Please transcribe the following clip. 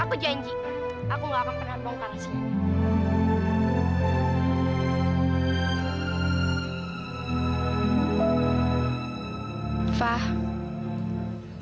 aku janji aku gak akan pernah bawa tangan si ini